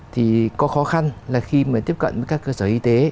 thì có khó khăn là khi mà tiếp cận với các cơ sở y tế